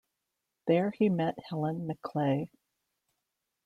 There he met Helen McClay.